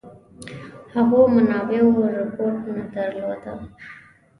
هغو منابعو رپوټ نه درلوده.